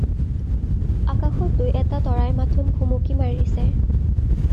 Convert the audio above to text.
আকাশত দুই-এটা তৰাই মাথোন ভুমুকি মাৰিছে।